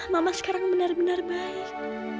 mama sekarang benar benar baik